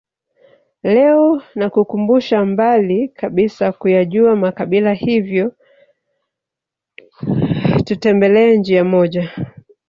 Leo nakukumbusha mbali kabisa kuyajua makabila hivyo tutembelee njia moja